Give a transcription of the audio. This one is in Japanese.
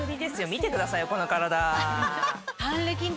見てくださいよこの体。